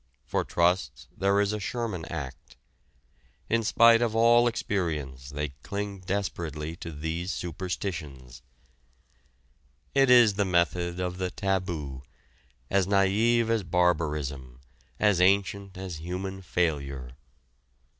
For trusts there is a Sherman Act. In spite of all experience they cling desperately to these superstitions. It is the method of the taboo, as naïve as barbarism, as ancient as human failure.